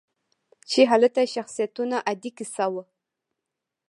چې هلته شخصیتوژنه عادي کیسه وه.